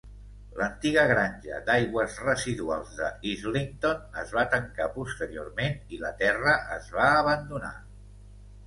L'antiga granja d'aigües residuals de Islington es va tancar posteriorment i la terra es va abandonar.